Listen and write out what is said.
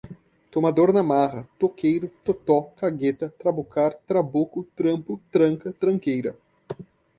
tomador na marra, toqueiro, totó, cagueta, trabucar, trabuco, trampo, tranca, tranqueira